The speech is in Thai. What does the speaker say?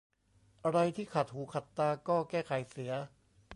อะไรที่ขัดหูขัดตาก็แก้ไขเสีย